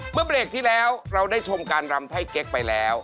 เมื่อเบรกที่แล้วเราได้ชมการรำไทยเก๊กไปแล้ว